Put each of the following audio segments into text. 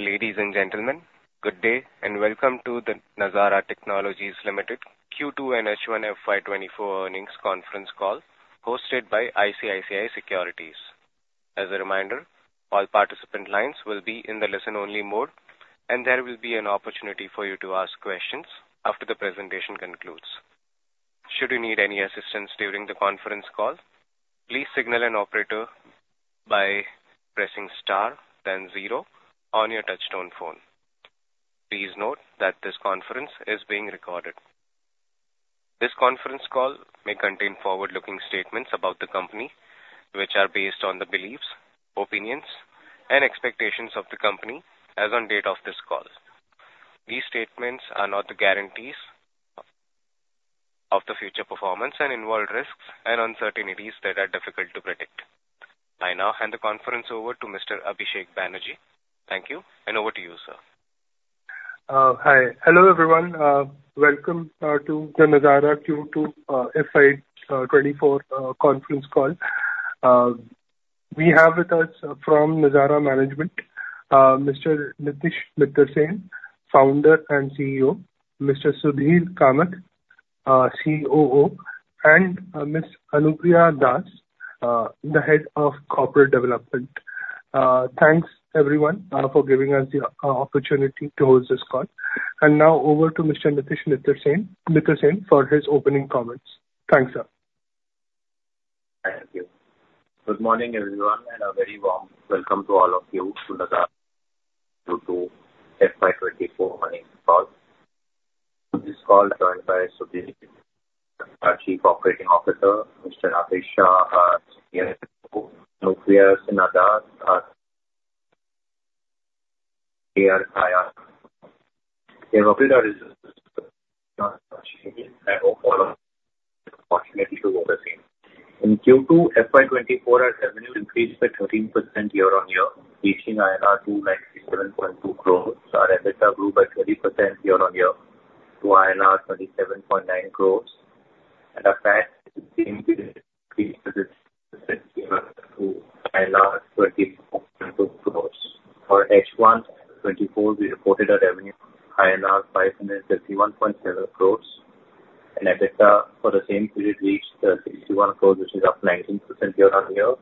Ladies and gentlemen, good day, and welcome to the Nazara Technologies Limited Q2 and H1 FY 2024 earnings conference call, hosted by ICICI Securities. As a reminder, all participant lines will be in the listen-only mode, and there will be an opportunity for you to ask questions after the presentation concludes. Should you need any assistance during the conference call, please signal an operator by pressing star then zero on your touchtone phone. Please note that this conference is being recorded. This conference call may contain forward-looking statements about the company, which are based on the beliefs, opinions, and expectations of the company as on date of this call. These statements are not the guarantees of the future performance and involve risks and uncertainties that are difficult to predict. I now hand the conference over to Mr. Abhishek Banerjee. Thank you, and over to you, sir. Hi. Hello, everyone. Welcome to the Nazara Q2 FY 2024 conference call. We have with us from Nazara management, Mr. Nitish Mittersain, founder and CEO; Mr. Sudhir Kamath, COO; and Ms. Anupriya Sinha Das, the Head of Corporate Development. Thanks, everyone, for giving us the opportunity to hold this call. Now over to Mr. Nitish Mittersain for his opening comments. Thanks, sir. Thank you. Good morning, everyone, and a very warm welcome to all of you to Nazara Q2 FY 2024 earnings call. This call is joined by Sudhir, our Chief Operating Officer, Mr. Abhishek, CFO, Anupriya Sinha Das, AR Kaya. I hope all of you, fortunately, are well the same. In Q2 FY 2024, our revenue increased by 13% year-on-year, reaching 297.2 crores. Our EBITDA grew by 30% year-on-year to 37.9 crores, and our PAT increased to 20.2 crores. For H1 2024, we reported our revenue 531.7 crores, and EBITDA for the same period reached 61 crores, which is up 19% year-on-year,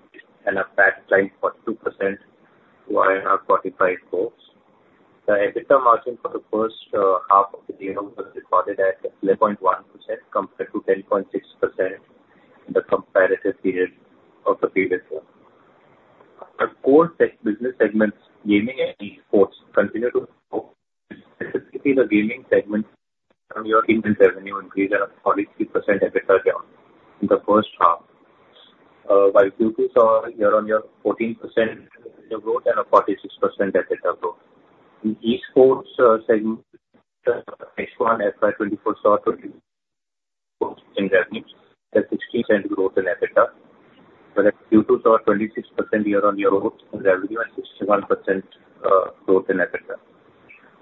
and our PAT climbed by 2% to 45 crores. The EBITDA margin for the first half of the year was recorded at 11.1%, compared to 10.6% in the comparative period of the previous year. Our core business segments, gaming and esports, continue to grow, specifically the gaming segment, from year in revenue increased around 43% EBITDA down in the first half. While Q2 saw year-on-year 14% growth and a 46% EBITDA growth. In esports segment, H1 FY 2024 saw in revenue, that's 16% growth in EBITDA. But Q2 saw 26% year-on-year growth in revenue and 61% growth in EBITDA.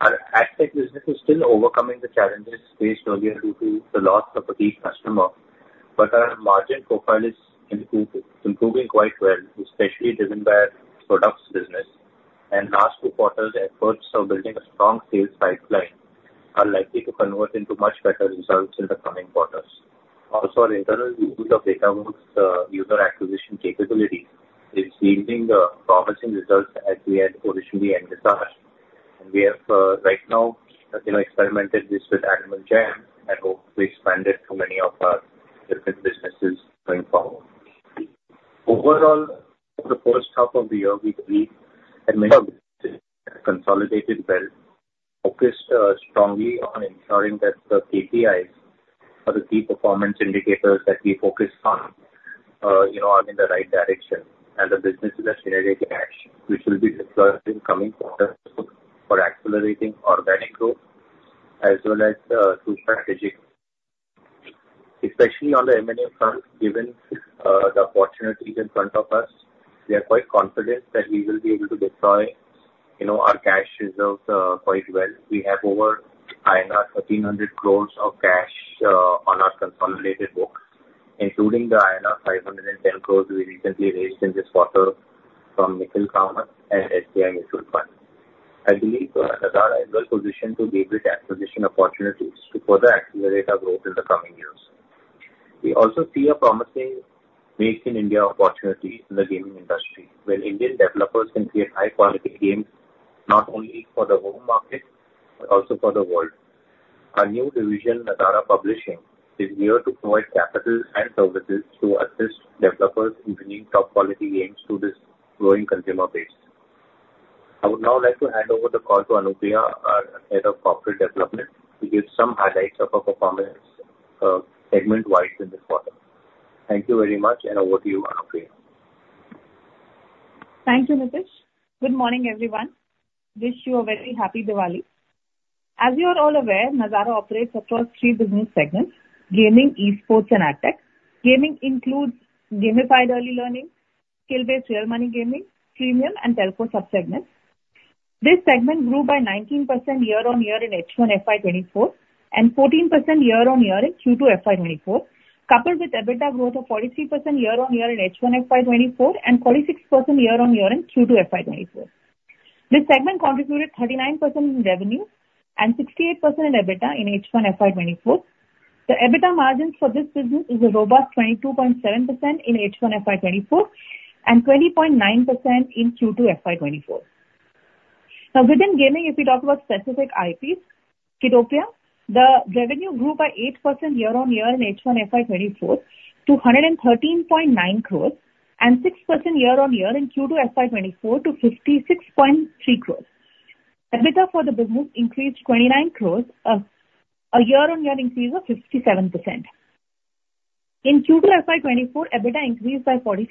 Our AdTech business is still overcoming the challenges faced earlier due to the loss of a key customer, but our margin profile is improving, improving quite well, especially driven by our products business. Last two quarters, efforts of building a strong sales pipeline are likely to convert into much better results in the coming quarters. Also, our internal use of Datawrkz's user acquisition capability is yielding promising results as we had originally envisaged. And we have right now, you know, experimented this with Animal Jam and hope to expand it to many of our different businesses going forward. Overall, for the first half of the year, we believe admittedly consolidated well, focused strongly on ensuring that the KPIs or the key performance indicators that we focus on you know are in the right direction. And the businesses are generating cash, which will be discussed in coming quarters for accelerating organic growth as well as through strategic. Especially on the M&A front, given the opportunities in front of us, we are quite confident that we will be able to deploy, you know, our cash reserves quite well. We have over 1,300 crores of cash on our consolidated books, including the 510 crores we recently raised in this quarter from Nikhil Kamath and SBI Mutual Fund. I believe Nazara is well positioned to give it acquisition opportunities to further accelerate our growth in the coming years. We also see a promising Make in India opportunity in the gaming industry, where Indian developers can create high-quality games, not only for the home market, but also for the world. Our new division, Nazara Publishing, is here to provide capital and services to assist developers in bringing top-quality games to this growing consumer base. I would now like to hand over the call to Anupriya, our Head of Corporate Development, to give some highlights of our performance, segment-wide in this quarter. Thank you very much, and over to you, Anupriya. Thank you, Nitish. Good morning, everyone. Wish you a very happy Diwali. As you are all aware, Nazara operates across three business segments: gaming, esports, and AdTech. Gaming includes gamified early learning, skill-based real money gaming, freemium, and telco sub-segments. This segment grew by 19% year-on-year in H1 FY 2024, and 14% year-on-year in Q2 FY 2024, coupled with EBITDA growth of 43% year-on-year in H1 FY 2024, and 46% year-on-year in Q2 FY 2024. This segment contributed 39% in revenue and 68% in EBITDA in H1 FY 2024. The EBITDA margin for this business is a robust 22.7% in H1 FY 2024, and 20.9% in Q2 FY 2024. Now, within gaming, if we talk about specific IPs, Kiddopia, the revenue grew by 8% year-on-year in H1 FY 2024 to 113.9 crores, and 6% year-on-year in Q2 FY 2024 to 56.3 crores. EBITDA for the business increased 29 crores, a year-on-year increase of 57%. In Q2 FY 2024, EBITDA increased by 46%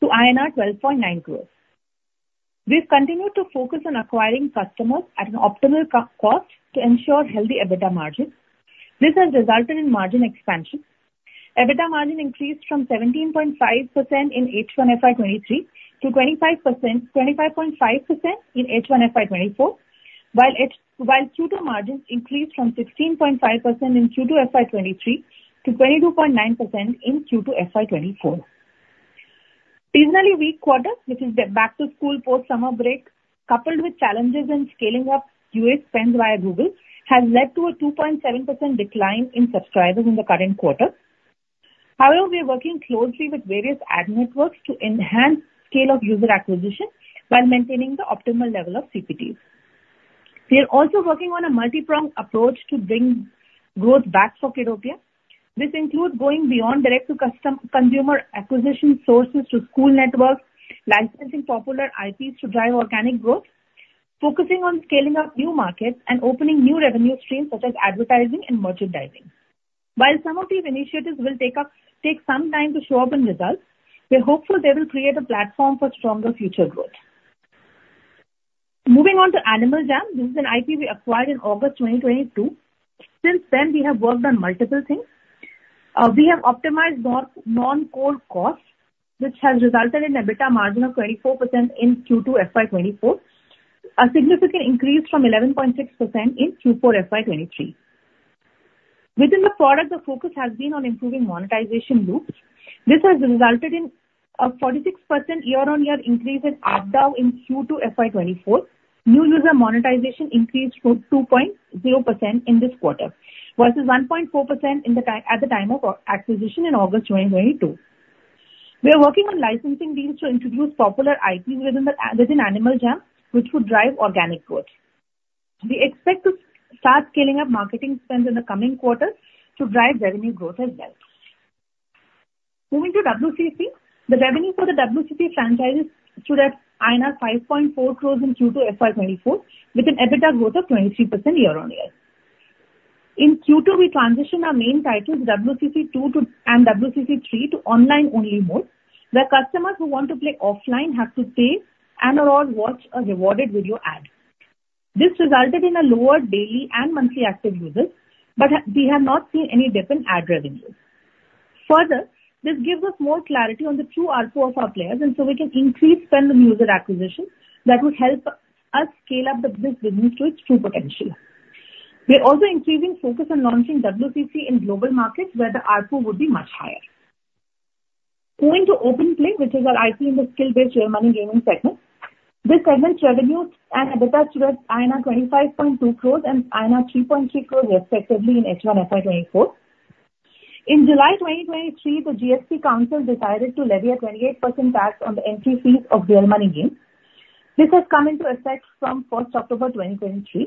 to INR 12.9 crores. We've continued to focus on acquiring customers at an optimal cost to ensure healthy EBITDA margins. This has resulted in margin expansion. EBITDA margin increased from 17.5% in H1 FY 2023 to 25.5% in H1 FY 2024, while Q2 margins increased from 16.5% in Q2 FY 2023 to 22.9% in Q2 FY 2024. Seasonally weak quarter, which is the back-to-school post-summer break, coupled with challenges in scaling up U.S. spend via Google, has led to a 2.7% decline in subscribers in the current quarter. However, we are working closely with various ad networks to enhance scale of user acquisition while maintaining the optimal level of CPTs. We are also working on a multi-pronged approach to bring growth back for Kiddopia. This includes going beyond direct-to-consumer acquisition sources to school networks, licensing popular IPs to drive organic growth, focusing on scaling up new markets and opening new revenue streams such as advertising and merchandising. While some of these initiatives will take some time to show up in results, we're hopeful they will create a platform for stronger future growth. Moving on to Animal Jam. This is an IP we acquired in August 2022. Since then, we have worked on multiple things. We have optimized non-core costs, which has resulted in an EBITDA margin of 24% in Q2 FY 2024, a significant increase from 11.6% in Q4 FY 2023. Within the product, the focus has been on improving monetization loops. This has resulted in a 46% year-on-year increase in ARPDAU in Q2 FY 2024. New user monetization increased to 2.0% in this quarter versus 1.4% at the time of acquisition in August 2022. We are working on licensing deals to introduce popular IP within Animal Jam, which would drive organic growth. We expect to start scaling up marketing spend in the coming quarters to drive revenue growth as well. Moving to WCC, the revenue for the WCC franchises stood at INR 5.4 crores in Q2 FY2024, with an EBITDA growth of 23% year-on-year. In Q2, we transitioned our main titles, WCC2 to... and WCC3, to online-only mode, where customers who want to play offline have to pay and/or watch a rewarded video ad. This resulted in a lower daily and monthly active users, but we have not seen any dip in ad revenues. Further, this gives us more clarity on the true ARPU of our players, and so we can increase spend on user acquisition that will help us scale up the business to its true potential. We are also increasing focus on launching WCC in global markets where the ARPU would be much higher. Moving to OpenPlay, which is our IP in the skill-based real money gaming segment. This segment's revenue and EBITDA stood at 25.2 crores and 3.3 crores respectively in H1 FY 2024. In July 2023, the GST Council decided to levy a 28% tax on the entry fees of real money games. This has come into effect from first October 2023.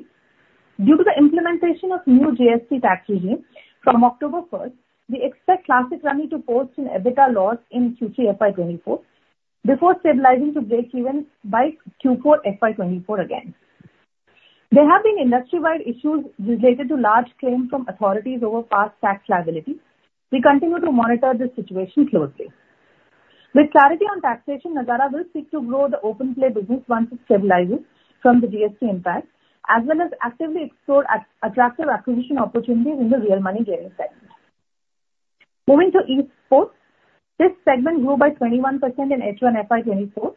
Due to the implementation of new GST tax regime from October 1st, we expect Classic Rummy to post an EBITDA loss in Q3 FY 2024 before stabilizing to breakeven by Q4 FY 2024 again. There have been industry-wide issues related to large claims from authorities over past tax liability. We continue to monitor the situation closely. With clarity on taxation, Nazara will seek to grow the OpenPlay business once it stabilizes from the GST impact, as well as actively explore attractive acquisition opportunities in the real money gaming segment. Moving to esports. This segment grew by 21% in H1 FY 2024,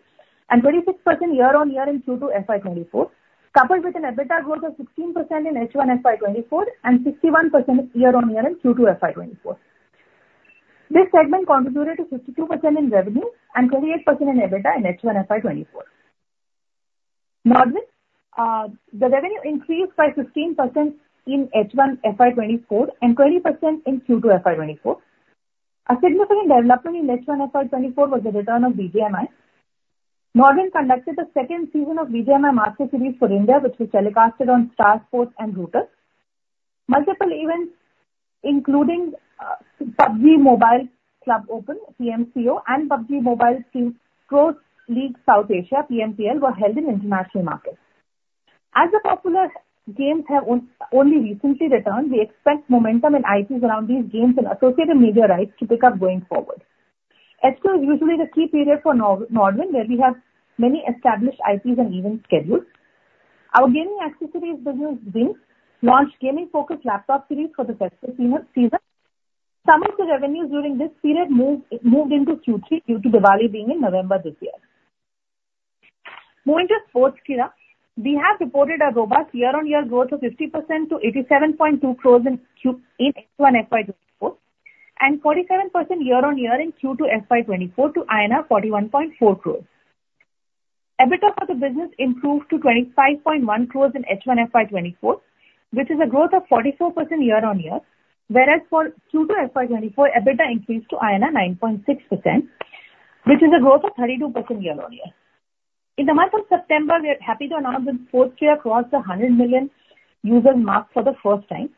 and 26% year-on-year in Q2 FY 2024, coupled with an EBITDA growth of 16% in H1 FY 2024, and 61% year-on-year in Q2 FY 2024. This segment contributed to 52% in revenue and 28% in EBITDA in H1 FY 2024. NODWIN, the revenue increased by 15% in H1 FY 2024, and 20% in Q2 FY 2024. A significant development in H1 FY 2024 was the return of BGMI. NODWIN conducted the second season of BGMI Master Series for India, which was telecasted on Star Sports and Rooter. Multiple events, including PUBG Mobile Club Open, PMCO, and PUBG Mobile Pro League, South Asia, PMPL, were held in international markets. As the popular games have only recently returned, we expect momentum in IPs around these games and associated media rights to pick up going forward. H2 is usually the key period for Nodwin, where we have many established IPs and event schedules. Our gaming accessories business, Wings, launched gaming-focused laptop series for the festive season. Some of the revenues during this period moved into Q3 due to Diwali being in November this year. Moving to Sportskeeda, we have reported a robust year-on-year growth of 50% to 87.2 crores in H1 FY 2024, and 47% year-on-year in Q2 FY 2024 to INR 41.4 crores. EBITDA for the business improved to 25.1 crores in H1 FY 2024, which is a growth of 44% year-on-year. Whereas for Q2 FY 2024, EBITDA increased to INR 9.6%, which is a growth of 32% year-on-year. In the month of September, we are happy to announce that Sportskeeda crossed the 100 million user mark for the first time.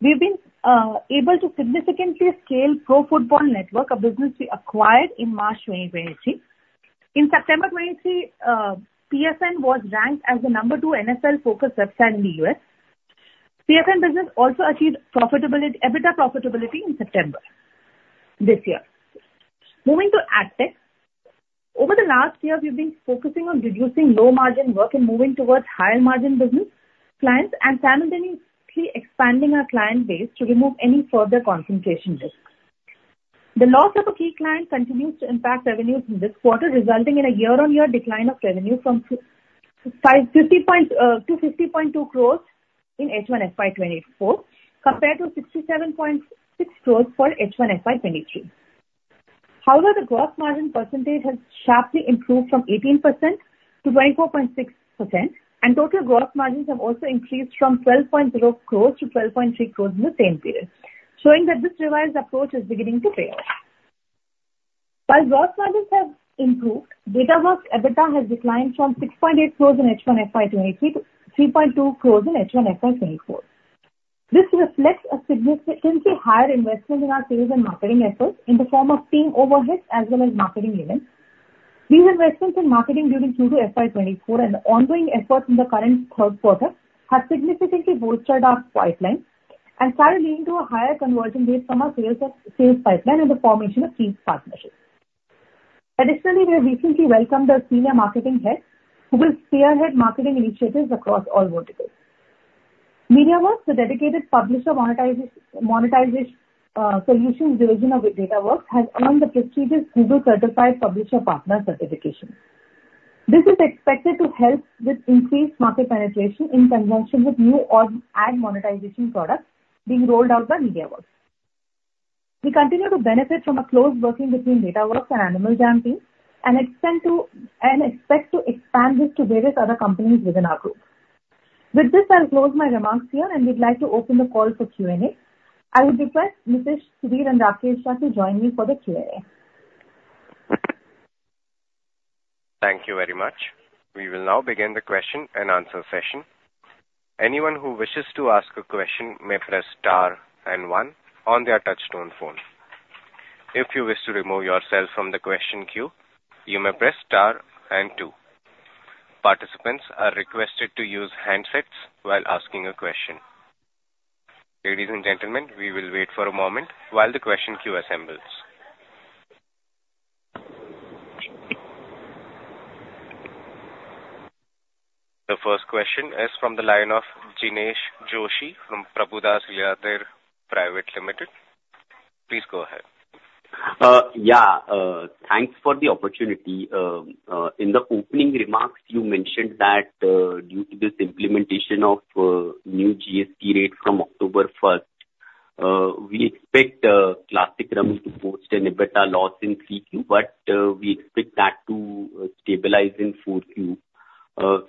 We've been able to significantly scale Pro Football Network, a business we acquired in March 2023. In September 2023, PFN was ranked as the number two NFL focus website in the U.S. PFN business also achieved profitability, EBITDA profitability in September this year. Moving to AdTech. Over the last year, we've been focusing on reducing low-margin work and moving towards higher margin business clients, and simultaneously expanding our client base to remove any further concentration risks. The loss of a key client continues to impact revenues in this quarter, resulting in a year-on-year decline of revenue from 50 to 50.2 crores in H1 FY 2024, compared to 67.6 crores for H1 FY 2023. However, the gross margin percentage has sharply improved from 18%-24.6%, and total gross margins have also increased from 12.0 crores to 12.3 crores in the same period, showing that this revised approach is beginning to pay off. While gross margins have improved, Datawrkz's EBITDA has declined from 6.8 crores in H1 FY 2023 to 3.2 crores in H1 FY 2024. This reflects a significantly higher investment in our sales and marketing efforts in the form of team overheads as well as marketing events. These investments in marketing during Q2 FY 2024 and the ongoing efforts in the current third quarter have significantly bolstered our pipeline and started leading to a higher conversion rate from our sales pipeline and the formation of key partnerships. Additionally, we have recently welcomed a senior marketing head, who will spearhead marketing initiatives across all verticals. Mediawrkz, the dedicated publisher monetization solutions division of Datawrkz, has earned the prestigious Google Certified Publisher Partner certification. This is expected to help with increased market penetration in conjunction with new ad monetization products being rolled out by Mediawrkz. We continue to benefit from a close working between Datawrkz and Animal Jam team, and expect to expand this to various other companies within our group. With this, I'll close my remarks here, and we'd like to open the call for Q&A. I would request Nitish, Sudhir and Rakesh to join me for the Q&A. Thank you very much. We will now begin the question and answer session. Anyone who wishes to ask a question may press star and one on their touchtone phone. If you wish to remove yourself from the question queue, you may press star and two. Participants are requested to use handsets while asking a question. Ladies and gentlemen, we will wait for a moment while the question queue assembles. The first question is from the line of Jinesh Joshi from Prabhudas Lilladher Private Limited. Please go ahead. Yeah, thanks for the opportunity. In the opening remarks, you mentioned that, due to this implementation of, new GST rate from October first, we expect, Classic Rummy to post an EBITDA loss in Q3, but, we expect that to, stabilize in 4Q.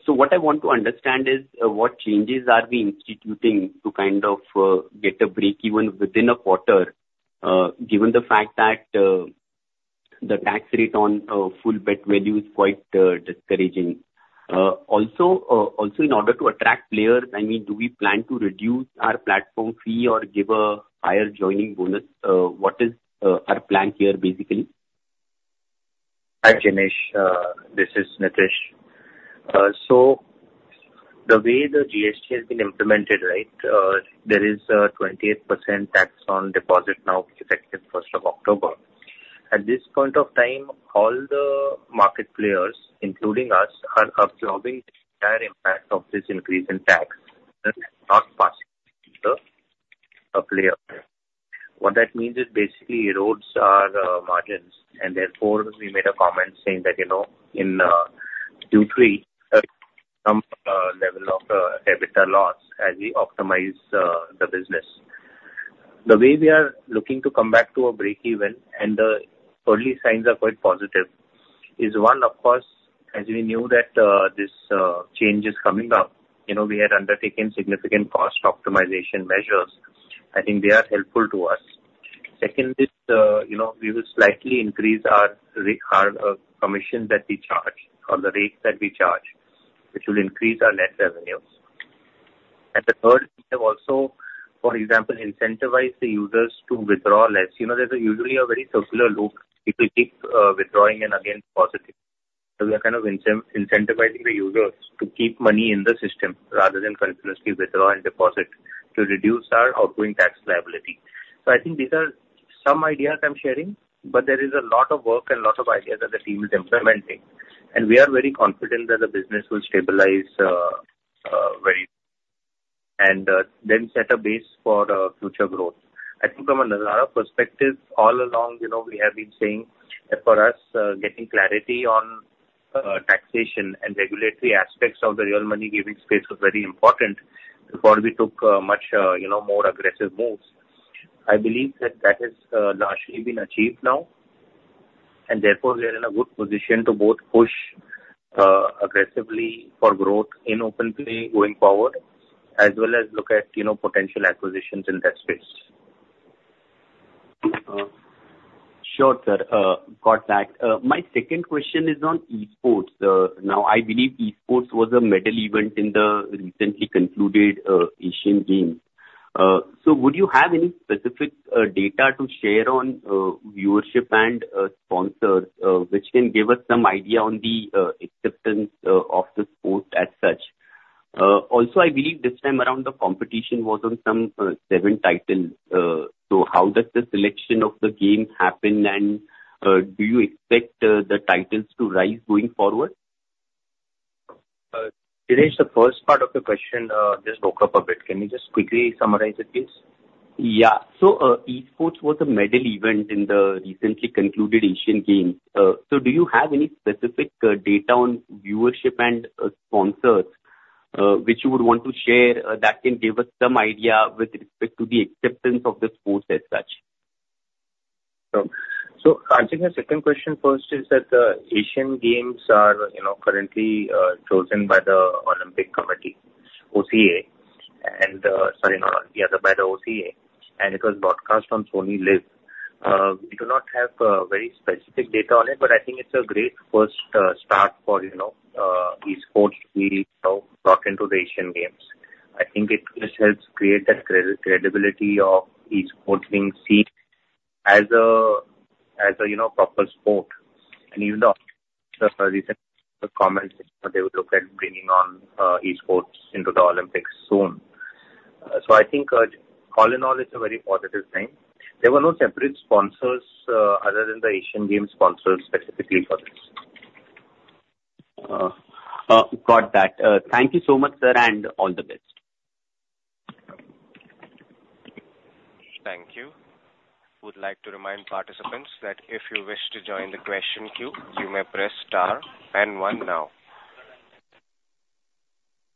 So what I want to understand is, what changes are we instituting to kind of, get a break even within a quarter, given the fact that, the tax rate on, full bet value is quite, discouraging? Also, also in order to attract players, I mean, do we plan to reduce our platform fee or give a higher joining bonus? What is, our plan here, basically? Hi, Jinesh, this is Nitish. So the way the GST has been implemented, right, there is a 28% tax on deposit now effective first of October. At this point of time, all the market players, including us, are absorbing the entire impact of this increase in tax, and not passing the player. What that means is basically erodes our margins, and therefore, we made a comment saying that, you know, in Q3 some level of EBITDA loss as we optimize the business. The way we are looking to come back to a breakeven, and the early signs are quite positive, is one, of course, as we knew that this change is coming up, you know, we had undertaken significant cost optimization measures. I think they are helpful to us. Second, is, you know, we will slightly increase our, our, commission that we charge, or the rates that we charge, which will increase our net revenues. And the third, we have also, for example, incentivize the users to withdraw less. You know, there's usually a very circular loop, people keep, withdrawing and again depositing. So we are kind of incentivizing the users to keep money in the system, rather than continuously withdraw and deposit, to reduce our outgoing tax liability. So I think these are some ideas I'm sharing, but there is a lot of work and lot of ideas that the team is implementing, and we are very confident that the business will stabilize, very... and, then set a base for, future growth. I think from a Nazara perspective, all along, you know, we have been saying that for us, getting clarity on taxation and regulatory aspects of the real money gaming space was very important before we took, much, you know, more aggressive moves. I believe that that has largely been achieved now, and therefore we are in a good position to both push, aggressively for growth in OpenPlay going forward, as well as look at, you know, potential acquisitions in that space. Sure, sir. Got that. My second question is on eSports. Now, I believe eSports was a medal event in the recently concluded Asian Games. So would you have any specific data to share on viewership and sponsors, which can give us some idea on the acceptance of the sport as such? Also, I believe this time around, the competition was on some seven titles. So how does the selection of the game happen, and do you expect the titles to rise going forward? Dinesh, the first part of the question just broke up a bit. Can you just quickly summarize it, please? Yeah. So, esports was a medal event in the recently concluded Asian Games. So, do you have any specific data on viewership and sponsors, which you would want to share, that can give us some idea with respect to the acceptance of the sport as such? So, answering your second question first is that the Asian Games are, you know, currently chosen by the Olympic Committee, OCA, and... Sorry, not Olympic, by the OCA, and it was broadcast on SonyLIV. We do not have very specific data on it, but I think it’s a great first start for, you know, eSports to be, you know, brought into the Asian Games. I think it just helps create that credibility of eSports being seen as a, as a, you know, proper sport. And even the recent comments, they would look at bringing on eSports into the Olympics soon. So I think, all in all, it’s a very positive sign. There were no separate sponsors other than the Asian Games sponsors specifically for this. Got that. Thank you so much, sir, and all the best. Thank you. Would like to remind participants that if you wish to join the question queue, you may press star and one now.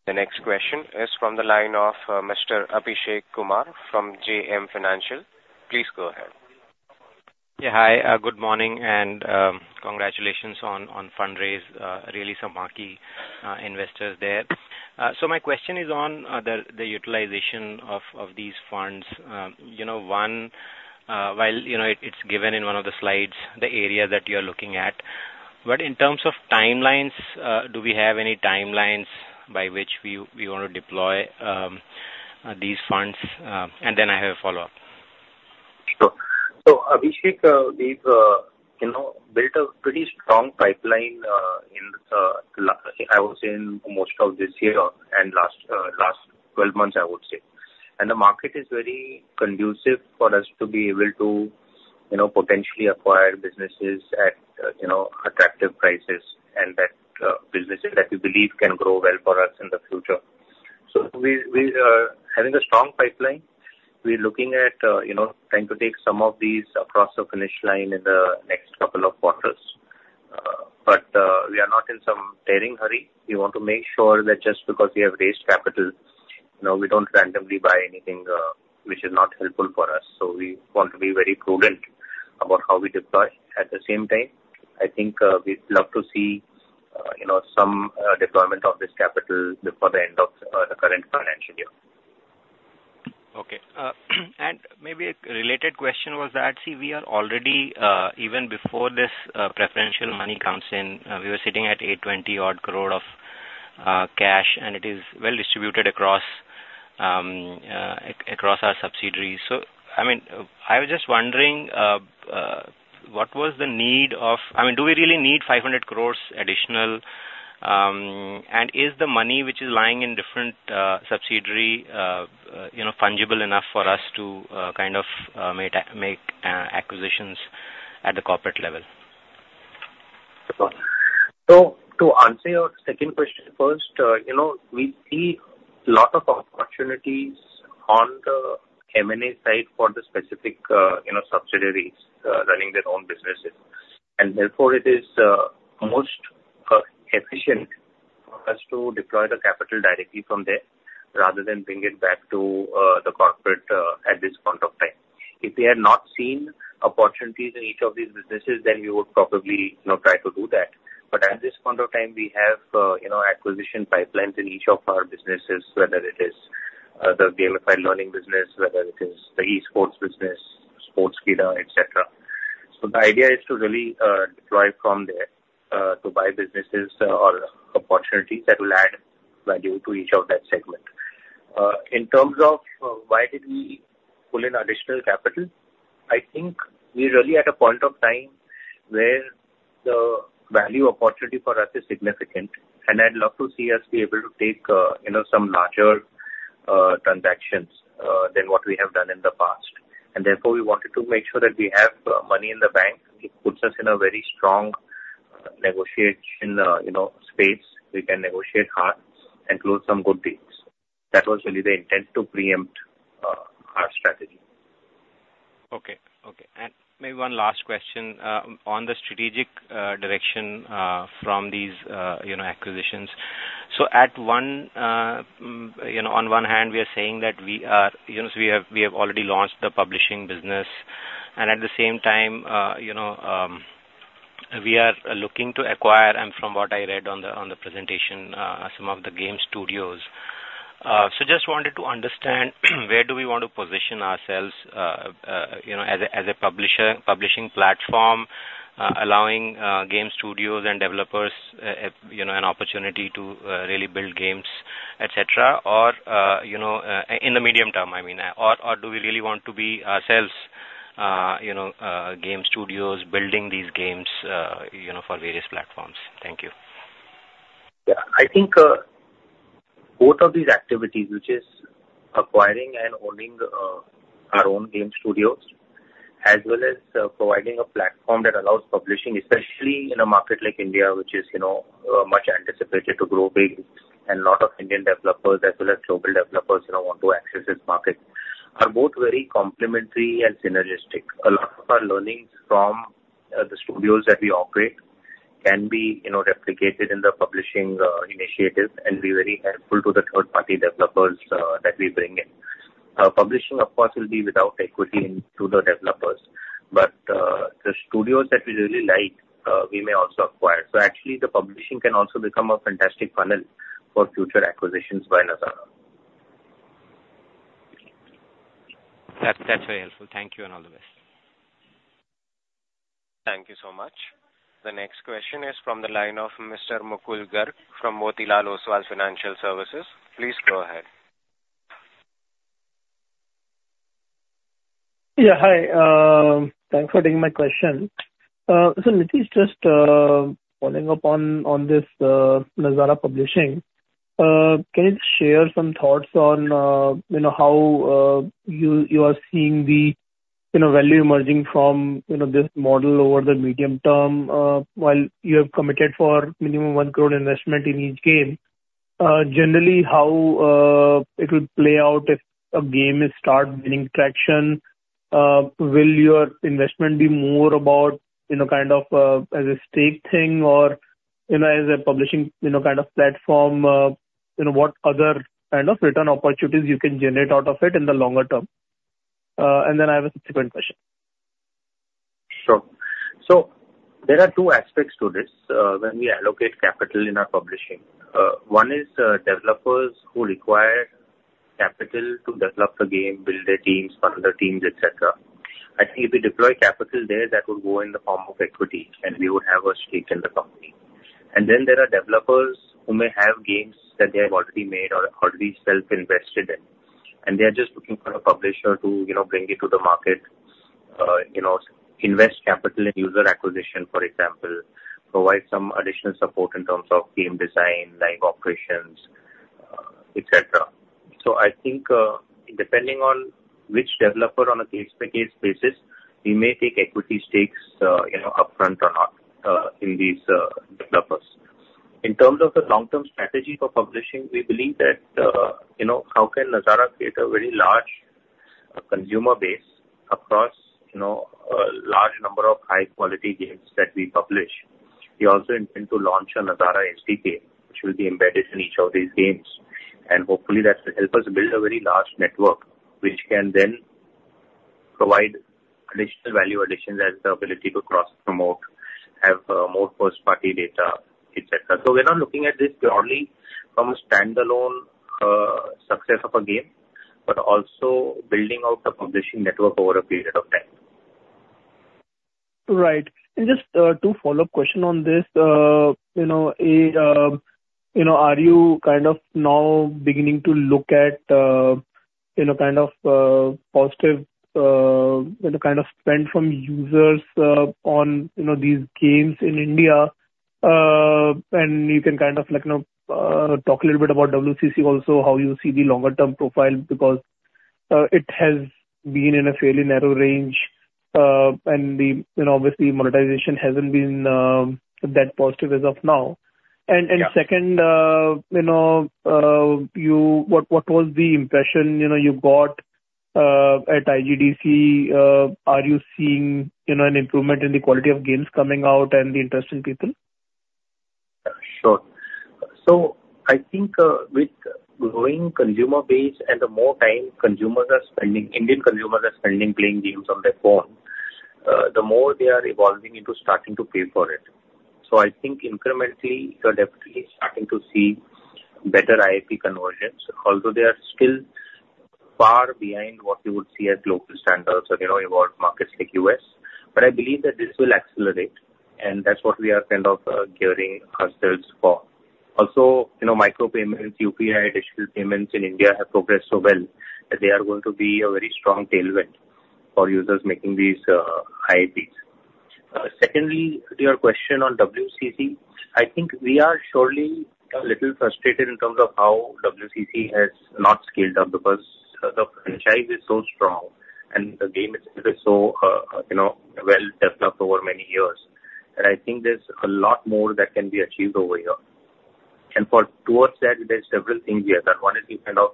The next question is from the line of Mr. Abhishek Kumar from JM Financial. Please go ahead. Yeah, hi. Good morning, and congratulations on fundraise. Really some marquee investors there. So my question is on the utilization of these funds. You know, while, you know, it’s given in one of the slides, the area that you’re looking at, but in terms of timelines, do we have any timelines by which we want to deploy these funds? And then I have a follow-up. Sure. So, Abhishek, we’ve, you know, built a pretty strong pipeline in, I would say, in most of this year and last, last 12 months, I would say. And the market is very conducive for us to be able to, you know, potentially acquire businesses at, you know, attractive prices and that, businesses that we believe can grow well for us in the future. So we, we are having a strong pipeline. We’re looking at, you know, trying to take some of these across the finish line in the next couple of quarters. But, we are not in some tearing hurry. We want to make sure that just because we have raised capital, you know, we don’t randomly buy anything, which is not helpful for us. So we want to be very prudent about how we deploy. At the same time, I think, we’d love to see, you know, some deployment of this capital before the end of the current financial year. Okay. And maybe a related question was that, see, we are already, even before this, preferential money comes in, we were sitting at 820-odd crore of cash, and it is well distributed across our subsidiaries. So, I mean, I was just wondering, what was the need of... I mean, do we really need 500 crore additional? And is the money which is lying in different subsidiary, you know, fungible enough for us to, kind of, make acquisitions at the corporate level? So, to answer your second question first, you know, we see a lot of opportunities on the M&A side for the specific, you know, subsidiaries running their own businesses. And therefore, it is most efficient for us to deploy the capital directly from there, rather than bring it back to the corporate at this point of time. If we had not seen opportunities in each of these businesses, then we would probably, you know, try to do that. But at this point of time, we have, you know, acquisition pipelines in each of our businesses, whether it is the gamified learning business, whether it is the eSports business, Sportskeeda, et cetera. So the idea is to really deploy from there to buy businesses or opportunities that will add value to each of that segment. In terms of why did we pull in additional capital, I think we’re really at a point of time where the value opportunity for us is significant, and I’d love to see us be able to take, you know, some larger, transactions, than what we have done in the past. And therefore, we wanted to make sure that we have, money in the bank. It puts us in a very strong, negotiation, you know, space. We can negotiate hard and close some good deals. That was really the intent to preempt our stategy. Maybe one last question on the strategic direction from these, you know, acquisitions. So on one hand, we are saying that we are, you know, so we have, we have already launched the publishing business, and at the same time, you know, we are looking to acquire, and from what I read on the, on the presentation, some of the game studios. So, just wanted to understand where do we want to position ourselves, you know, as a, as a publisher, publishing platform, allowing game studios and developers, you know, an opportunity to really build games, et cetera, or, you know, in the medium term, I mean, or do we really want to be ourselves, you know, game studios building these games, you know, for various platforms? Thank you. Yeah, I think, both of these activities, which is acquiring and owning, our own game studios, as well as, providing a platform that allows publishing, especially in a market like India, which is, you know, much anticipated to grow big, and a lot of Indian developers as well as global developers, you know, want to access this market, are both very complementary and synergistic. A lot of our learnings from, the studios that we operate can be, you know, replicated in the publishing, initiative and be very helpful to the third-party developers, that we bring in. Publishing, of course, will be without equity to the developers, but, the studios that we really like, we may also acquire. So actually, the publishing can also become a fantastic funnel for future acquisitions by Nazara. That's very helpful. Thank you, and all the best. Thank you so much. The next question is from the line of Mr. Mukul Garg from Motilal Oswal Financial Services. Please go ahead. Yeah, hi. Thanks for taking my question. So Nitish, just, following up on, on this, Nazara Publishing, can you just share some thoughts on, you know, how, you, you are seeing the, you know, value emerging from, you know, this model over the medium term, while you have committed for minimum 1 crore investment in each game? Generally, how, it will play out if a game is start gaining traction, will your investment be more about, you know, kind of, as a stake thing or, you know, as a publishing, you know, kind of platform, you know, what other kind of return opportunities you can generate out of it in the longer term? And then I have a subsequent question. Sure. So there are two aspects to this, when we allocate capital in our publishing. One is, developers who require capital to develop the game, build their teams, fund the teams, et cetera. I think if we deploy capital there, that would go in the form of equity, and we would have a stake in the company. And then there are developers who may have games that they have already made or already self-invested in, and they are just looking for a publisher to, you know, bring it to the market, you know, invest capital in user acquisition, for example, provide some additional support in terms of game design, live operations, et cetera. So I think, depending on which developer on a case-by-case basis, we may take equity stakes, you know, upfront or not, in these developers. In terms of the long-term strategy for publishing, we believe that, you know, how can Nazara create a very large consumer base across, you know, a large number of high quality games that we publish? We also intend to launch a Nazara SDK, which will be embedded in each of these games, and hopefully that will help us build a very large network, which can then provide additional value additions as the ability to cross-promote, have, more first-party data, et cetera. So we're not looking at this purely from a standalone, success of a game, but also building out the publishing network over a period of time. Right. And just, two follow-up question on this. You know, you know, are you kind of now beginning to look at, you know, kind of, positive, you know, kind of spend from users, on, you know, these games in India? And you can kind of like, you know, talk a little bit about WCC also, how you see the longer term profile, because, it has been in a fairly narrow range, and the, you know, obviously, monetization hasn't been, that positive as of now. Yeah. And second, you know, what was the impression you got at IGDC? Are you seeing, you know, an improvement in the quality of games coming out and the interest in people? Sure. So I think, with growing consumer base and the more time consumers are spending, Indian consumers are spending playing games on their phone, the more they are evolving into starting to pay for it. So I think incrementally, you're definitely starting to see better IAP conversions, although they are still far behind what you would see as global standards or, you know, evolved markets like U.S. But I believe that this will accelerate, and that's what we are kind of, gearing ourselves for. Also, you know, micro payments, UPI, digital payments in India have progressed so well, that they are going to be a very strong tailwind for users making these, IAPs. Secondly, your question on WCC, I think we are surely a little frustrated in terms of how WCC has not scaled up, because the franchise is so strong and the game is so, you know, well developed over many years. I think there's a lot more that can be achieved over here, and for towards that, there's several things we have done. One is we kind of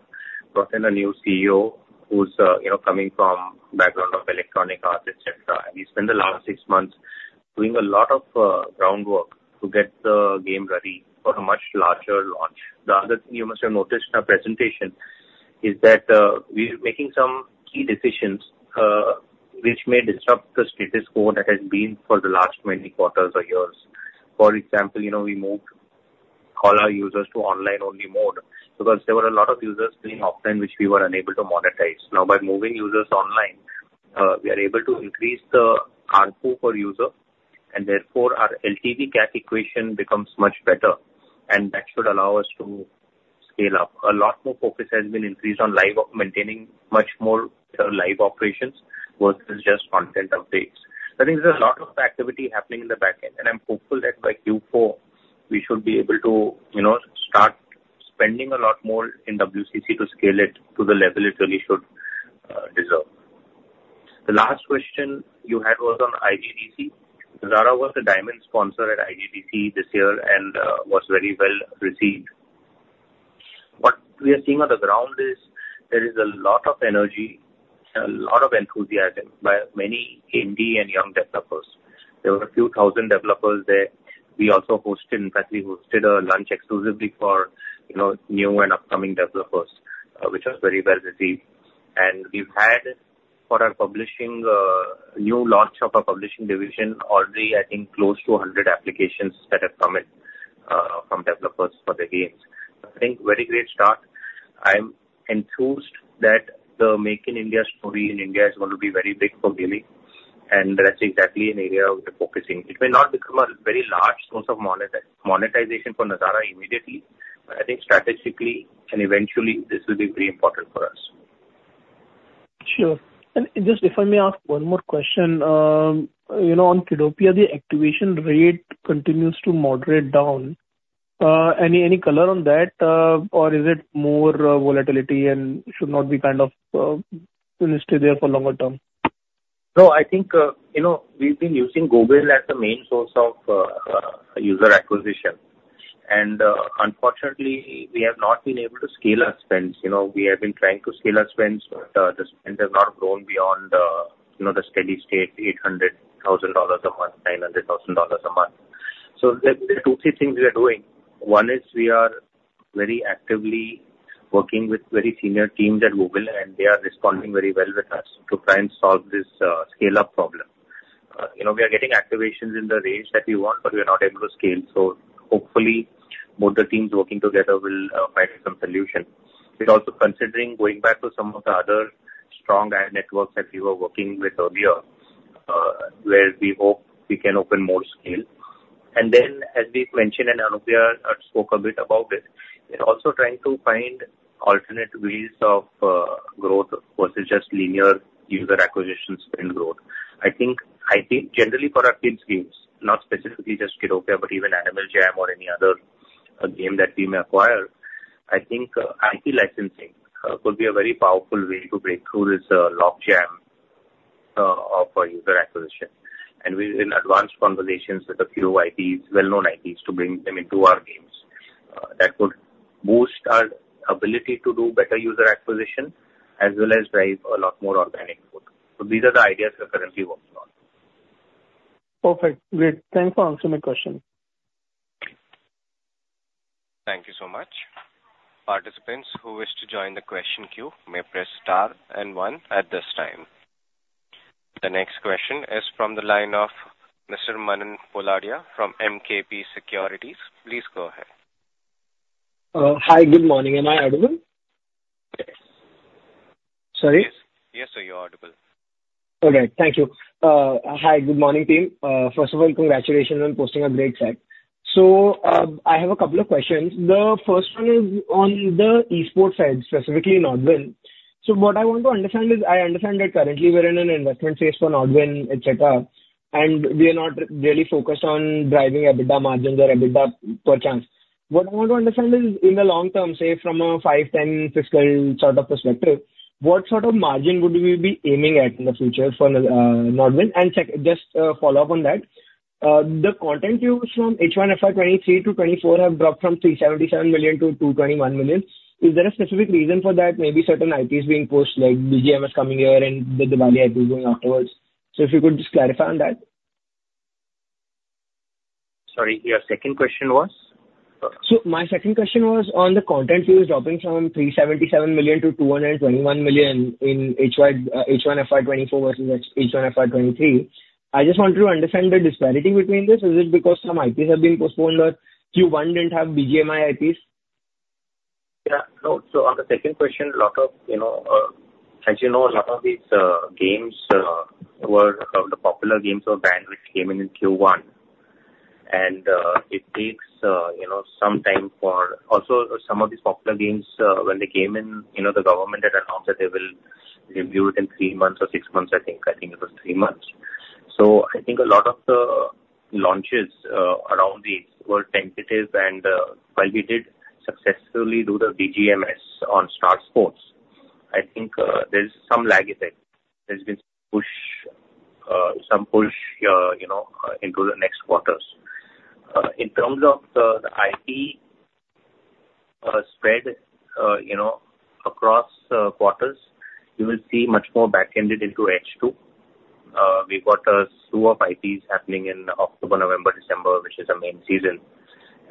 brought in a new CEO who's, you know, coming from background of Electronic Arts, et cetera, and he spent the last six months doing a lot of groundwork to get the game ready for a much larger launch. The other thing you must have noticed in our presentation is that, we're making some key decisions, which may disrupt the status quo that has been for the last many quarters or years. For example, you know, we moved all our users to online-only mode because there were a lot of users playing offline, which we were unable to monetize. Now, by moving users online, we are able to increase the ARPU per user, and therefore our LTV gap equation becomes much better, and that should allow us to scale up. A lot more focus has been increased on live, maintaining much more live operations versus just content updates. I think there's a lot of activity happening in the back end, and I'm hopeful that by Q4, we should be able to, you know, start spending a lot more in WCC to scale it to the level it really should deserve. The last question you had was on IGDC. Nazara was a diamond sponsor at IGDC this year and was very well received. What we are seeing on the ground is there is a lot of energy and a lot of enthusiasm by many indie and young developers. There were a few thousand developers there. We also hosted, in fact, we hosted a lunch exclusively for, you know, new and upcoming developers, which was very well received. And we've had, for our publishing, new launch of our publishing division, already, I think close to 100 applications that have come in, from developers for the games. I think, very great start. I'm enthused that the Make in India story in India is going to be very big for gaming, and that's exactly an area we're focusing. It may not become a very large source of monetization for Nazara immediately, but I think strategically and eventually, this will be very important for us. Sure. And just if I may ask one more question, you know, on Kiddopia, the activation rate continues to moderate down. Any, any color on that, or is it more, volatility and should not be kind of, stay there for longer term? No, I think, you know, we've been using Google as the main source of, user acquisition. And, unfortunately, we have not been able to scale our spends. You know, we have been trying to scale our spends, but, the spend has not grown beyond, you know, the steady state, $800,000 a month, $900,000 a month. So there, there are two, three things we are doing. One is we are very actively working with very senior teams at Google, and they are responding very well with us to try and solve this, scale-up problem. You know, we are getting activations in the range that we want, but we are not able to scale. So hopefully, both the teams working together will, find some solution. We're also considering going back to some of the other strong ad networks that we were working with earlier, where we hope we can open more scale. And then, as we mentioned, and Anupriya spoke a bit about it, we're also trying to find alternate ways of growth versus just linear user acquisition spend growth. I think, I think generally for our kids' games, not specifically just Kiddopia, but even Animal Jam or any other game that we may acquire, I think IP licensing could be a very powerful way to break through this logjam of user acquisition. And we're in advanced conversations with a few IPs, well-known IPs, to bring them into our games. That would boost our ability to do better user acquisition as well as drive a lot more organic growth. These are the ideas we're currently working on. Perfect. Great. Thanks for answering my question. Thank you so much. Participants who wish to join the question queue may press star and one at this time. The next question is from the line of Mr. Manan Poladia from MKP Securities. Please go ahead. Hi, good morning. Am I audible? Yes. Sorry? Yes, sir, you're audible. All right. Thank you. Hi, good morning, team. First of all, congratulations on posting a great set. So, I have a couple of questions. The first one is on the esports side, specifically NODWIN. So what I want to understand is, I understand that currently we're in an investment phase for NODWIN, et cetera, and we are not really focused on driving EBITDA margins or EBITDA per se. What I want to understand is, in the long term, say, from a five, 10 fiscal sort of perspective, what sort of margin would we be aiming at in the future for the NODWIN? And just, follow up on that, the content views from H1 FY 2023 to 2024 have dropped from 377 million to 221 million. Is there a specific reason for that? Maybe certain IPs being pushed, like BGMS coming here and the Diwali IP going afterwards. So if you could just clarify on that. Sorry, your second question was? So my second question was on the content views dropping from 377 million to 221 million in HY, H1 FY 2024 versus H1 FY 2023. I just wanted to understand the disparity between this. Is it because some IPs have been postponed or Q1 didn't have BGMI IPs? Yeah. No, so on the second question, a lot of, you know, as you know, a lot of these games were some of the popular games or brands which came in in Q1. And, it takes, you know, some time for... Also, some of these popular games, when they came in, you know, the government had announced that they will review it in three months or six months, I think. I think it was three months. So I think a lot of the launches around these were tentative and, while we did successfully do the BGMS on Star Sports, I think, there is some lag effect. There's been some push, you know, into the next quarters. In terms of the IP spread, you know, across quarters, you will see much more back-ended into H2. We've got a slew of IPs happening in October, November, December, which is our main season,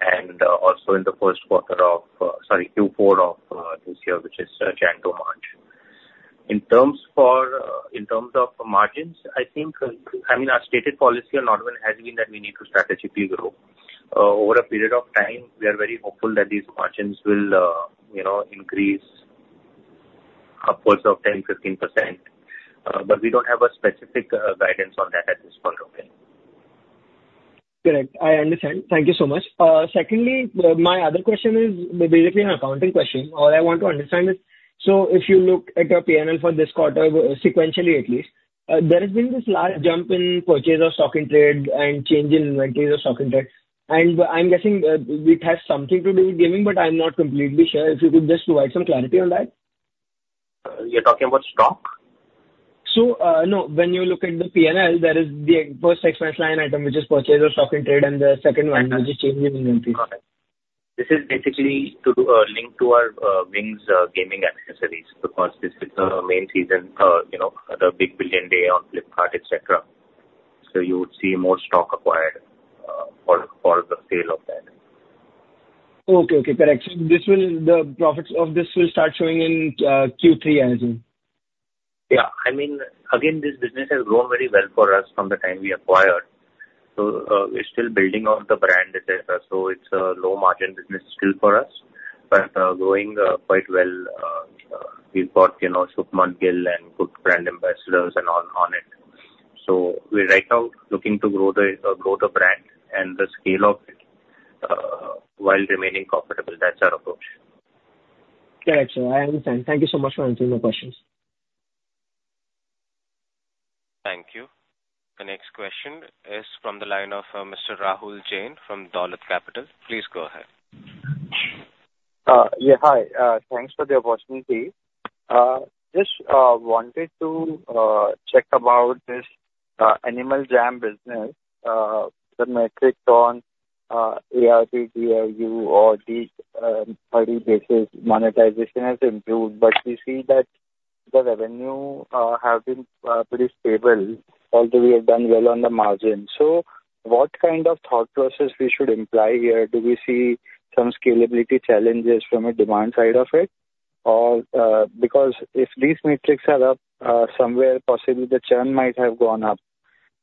and also in the first quarter of Q4 of this year, which is January to March. In terms of margins, I think, I mean, our stated policy on NODWIN has been that we need to strategically grow. Over a period of time, we are very hopeful that these margins will, you know, increase upwards of 10, 15%. But we don't have a specific guidance on that at this point, okay? Correct. I understand. Thank you so much. Secondly, my other question is basically an accounting question. All I want to understand is, so if you look at your PNL for this quarter, sequentially at least, there has been this large jump in purchase of stock in trade and change in inventories of stock in trade. And I'm guessing, it has something to do with gaming, but I'm not completely sure. If you could just provide some clarity on that. You're talking about stock? No, when you look at the P&L, there is the first expense line item, which is purchase of stock in trade, and the second line, which is change in inventory. Got it. This is basically to link to our Wings gaming accessories, because this is the main season, you know, the Big Billion Days on Flipkart, et cetera. So you would see more stock acquired for the sale of that. Okay. Okay, correct. So this will, the profits of this will start showing in Q3, I assume? Yeah. I mean, again, this business has grown very well for us from the time we acquired. So, we're still building out the brand, et cetera, so it's a low margin business still for us, but, growing, quite well. We've got, you know, Shubman Gill and good brand ambassadors and all on it. So we're right now looking to grow the, grow the brand and the scale of it, while remaining profitable. That's our approach. Correct, sir. I understand. Thank you so much for answering my questions. Thank you. The next question is from the line of Mr. Rahul Jain from Dolat Capital. Please go ahead. Yeah, hi. Thanks for the opportunity. Just wanted to check about this Animal Jam business. The metrics on ARP, ARU, or the 30 basis monetization has improved, but we see that the revenue have been pretty stable, although we have done well on the margin. So what kind of thought process we should imply here? Do we see some scalability challenges from a demand side of it? Or, because if these metrics are up somewhere, possibly the churn might have gone up.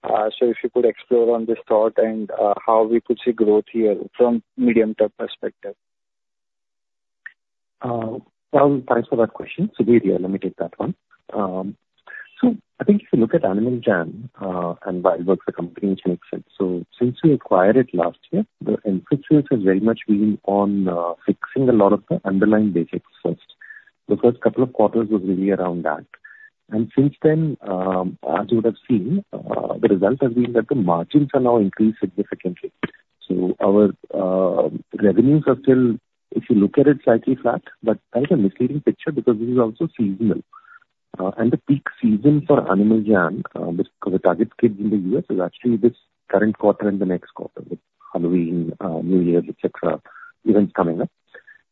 So if you could explore on this thought and how we could see growth here from medium-term perspective. Rahul, thanks for that question. So let me take that one. So I think if you look at Animal Jam, and WildWorks, the company in Genix said, so since we acquired it last year, the emphasis has very much been on, fixing a lot of the underlying basics first. The first couple of quarters was really around that. And since then, as you would have seen, the result has been that the margins are now increased significantly. So our revenues are still, if you look at it, slightly flat, but that's a misleading picture, because this is also seasonal. And the peak season for Animal Jam, which targets kids in the U.S., is actually this current quarter and the next quarter, with Halloween, New Year's, et cetera, events coming up.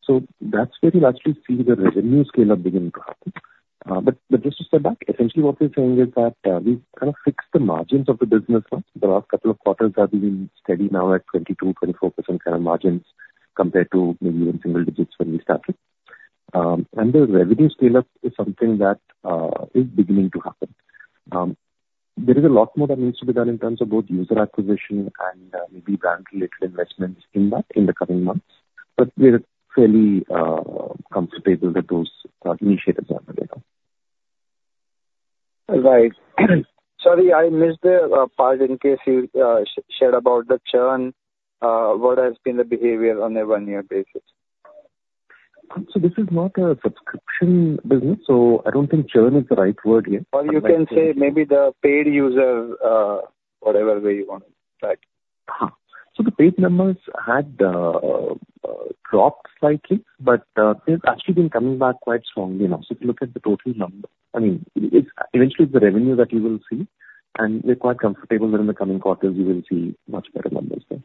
So that's where you'll actually see the revenue scale up begin to happen. But just to step back, essentially what we're saying is that, we've kind of fixed the margins of the business well. The last couple of quarters have been steady now at 22%, 24% kind of margins, compared to maybe in single digits when we started. And the revenue scale-up is something that, is beginning to happen. There is a lot more that needs to be done in terms of both user acquisition and, maybe brand-related investments in that in the coming months. But we're fairly comfortable that those initiatives are available. Right. Sorry, I missed the part in case you shared about the churn. What has been the behavior on a one-year basis? This is not a subscription business, so I don't think churn is the right word here. Or you can say maybe the paid user, whatever way you want it, right? So the paid numbers had dropped slightly, but they've actually been coming back quite strongly now. So if you look at the total number, I mean, it's eventually the revenue that you will see, and we're quite comfortable that in the coming quarters you will see much better numbers there.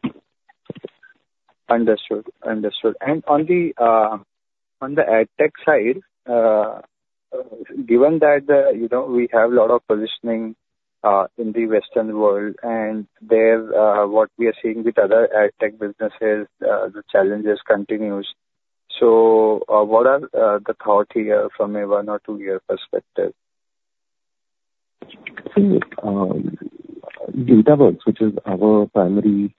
Understood. Understood. And on the ad tech side, given that, you know, we have a lot of positioning in the Western world, and there, what we are seeing with other ad tech businesses, the challenges continues. So, what are the thought here from a one or two year perspective? Datawrkz, which is our primary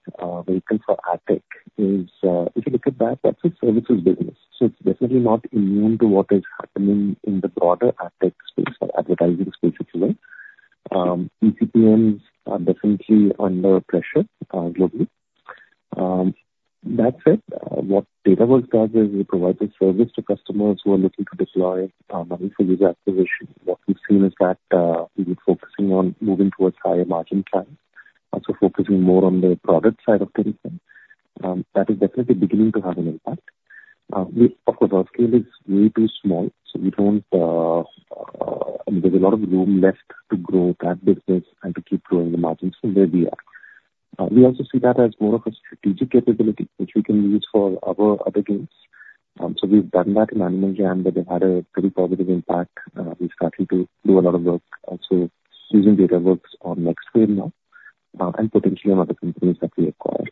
vehicle for ad tech, is, if you look at that, that's a services business. So it's definitely not immune to what is happening in the broader ad tech space or advertising space, actually. ECPMs are definitely under pressure, globally. That said, what Datawrkz does is we provide the service to customers who are looking to deploy money for user acquisition. What we've seen is that, we've been focusing on moving towards higher margin clients. Focusing more on the product side of things, that is definitely beginning to have an impact. We, of course, our scale is way too small, so we don't, there's a lot of room left to grow that business and to keep growing the margins from where we are. We also see that as more of a strategic capability, which we can use for our other games. So we've done that in Animal Jam, that have had a very positive impact. We're starting to do a lot of work, also using Datawrkz on Next Wave now, and potentially on other companies that we acquire.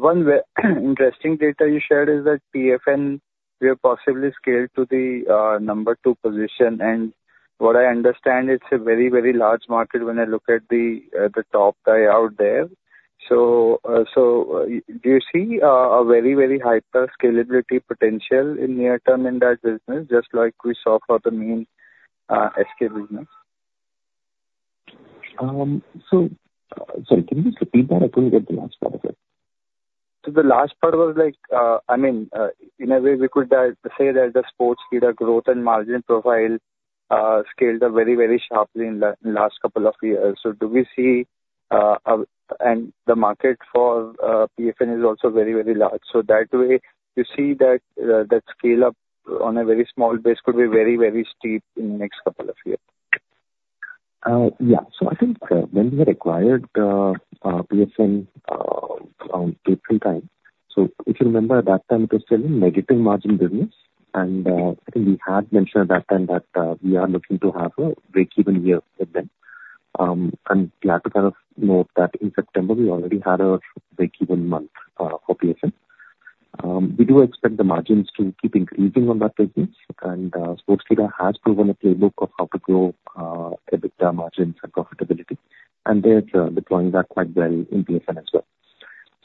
One very interesting data you shared is that PFN, we have possibly scaled to the number two position, and what I understand, it's a very, very large market when I look at the top guy out there. So, do you see a very, very hyper scalability potential in near term in that business, just like we saw for the main SK business? Sorry, can you just repeat that? I couldn't get the last part of it. So the last part was like, I mean, in a way, we could say that the Sportskeeda growth and margin profile scaled up very, very sharply in the last couple of years. So do we see? And the market for PFN is also very, very large. So that way, you see that that scale up on a very small base could be very, very steep in the next couple of years. Yeah. So I think, when we acquired, PFN, around April time, so if you remember, at that time it was still a negative margin business. And, I think we had mentioned at that time that, we are looking to have a breakeven year with them. I'm glad to kind of note that in September, we already had a breakeven month, for PFN. We do expect the margins to keep increasing on that business. And, Sportskeeda has proven a playbook of how to grow, EBITDA margins and profitability, and they're, deploying that quite well in PFN as well.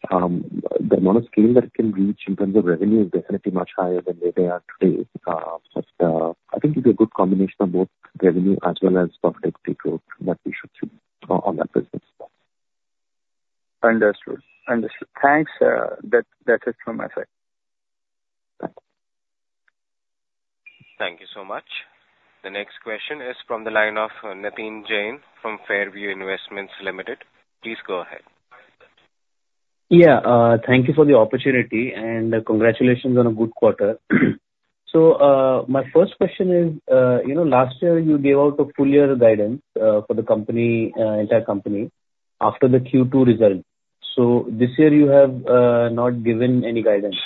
The amount of scale that it can reach in terms of revenue is definitely much higher than where they are today. I think it's a good combination of both revenue as well as profitability growth that we should see on that business. Understood. Understood. Thanks. That, that's it from my side. Thank you so much. The next question is from the line of, Nitin Jain from Fairview Investments Limited. Please go ahead. Yeah. Thank you for the opportunity, and congratulations on a good quarter. So, my first question is, you know, last year you gave out a full year guidance, for the company, entire company, after the Q2 result. So this year you have, not given any guidance.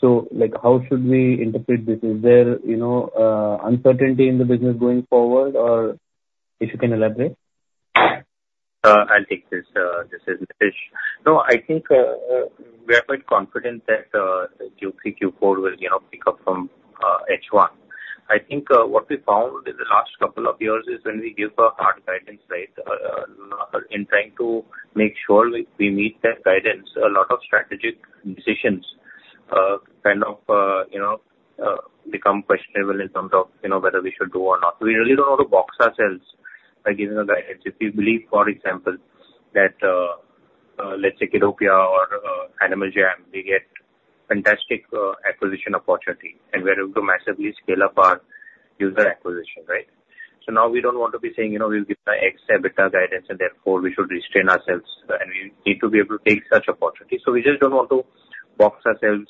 So, like, how should we interpret this? Is there, you know, uncertainty in the business going forward, or if you can elaborate? I'll take this. This is Nitish. No, I think we are quite confident that the Q3, Q4 will, you know, pick up from H1. I think what we found in the last couple of years is when we give a hard guidance, right, in trying to make sure we meet that guidance, a lot of strategic decisions kind of, you know, become questionable in terms of, you know, whether we should go or not. We really don't want to box ourselves by giving a guidance. If we believe, for example, that let's say Kiddopia or Animal Jam, we get fantastic acquisition opportunity, and we're able to massively scale up our user acquisition, right? So now we don't want to be saying, you know, we'll give the X EBITDA guidance, and therefore we should restrain ourselves, and we need to be able to take such opportunities. So we just don't want to box ourselves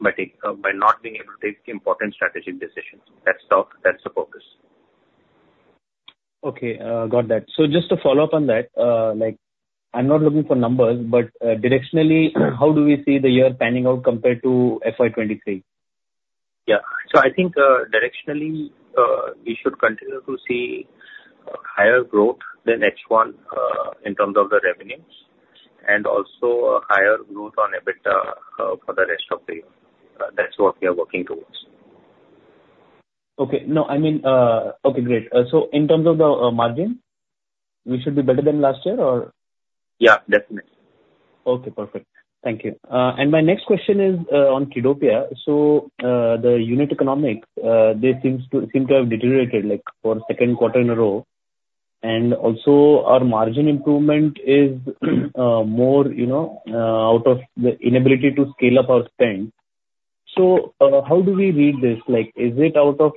by not being able to take important strategic decisions. That's the purpose. Okay, got that. So just to follow up on that, like, I'm not looking for numbers, but, directionally, how do we see the year panning out compared to FY 2023? Yeah. So I think, directionally, we should continue to see higher growth than H1, in terms of the revenues, and also a higher growth on EBITDA, for the rest of the year. That's what we are working towards. Okay. No, I mean... Okay, great. So in terms of the margin, we should be better than last year, or? Yeah, definitely. Okay, perfect. Thank you. And my next question is on Kiddopia. So, the unit economics seem to have deteriorated, like, for a second quarter in a row. And also, our margin improvement is more, you know, out of the inability to scale up our spend. So, how do we read this? Like, is it out of